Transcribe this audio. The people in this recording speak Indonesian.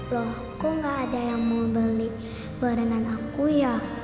loh kok gak ada yang mau beli barang aku ya